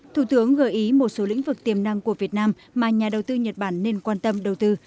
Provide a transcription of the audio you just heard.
thủ tướng gợi ý một số lĩnh vực tiềm năng của việt nam mà nhà đầu tư nhật bản nên quan tâm đầu tư